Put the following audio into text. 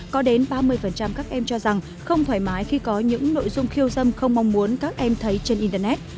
có đến ba mươi các em cho rằng không thoải mái khi có những nội dung khiêu dâm không mong muốn các em thấy trên internet